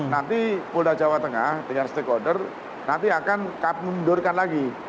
nanti pulau jawa tengah dengan stakeholder nanti akan menundurkan lagi